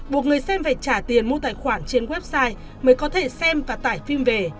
buộc người xem phải trả tiền mua tài khoản trên website mới có thể xem và tải phim về